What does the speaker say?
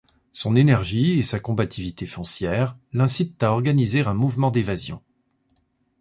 Son énergie et sa combativité foncières l'incitent à organiser un mouvement d'évasion.